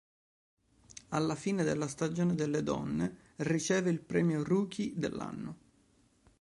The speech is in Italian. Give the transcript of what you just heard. Alla fine della stagione Delle Donne riceve il premio di Rookie dell'anno.